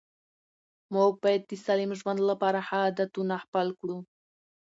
موږ باید د سالم ژوند لپاره ښه عادتونه خپل کړو